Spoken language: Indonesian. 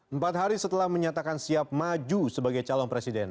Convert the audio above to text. empat hari setelah menyatakan siap maju sebagai calon presiden